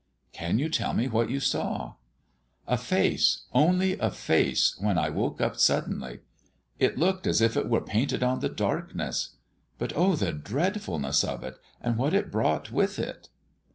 "Can you tell me what you saw?" "A face, only a face, when I woke up suddenly. It looked as if it were painted on the darkness. But oh, the dreadfulness of it and what it brought with it!